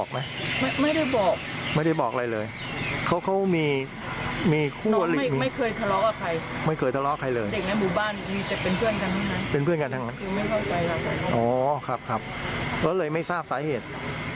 ก็เลยไม่ทราบสาเหตุ